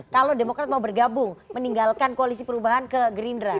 kalau demokrat mau bergabung meninggalkan koalisi perubahan ke gerindra